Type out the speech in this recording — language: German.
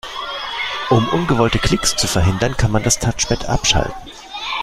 Um ungewollte Klicks zu verhindern, kann man das Touchpad abschalten.